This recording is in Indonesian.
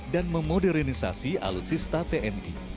dan memodernisasi alutsista tni